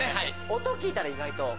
音聴いたら意外と。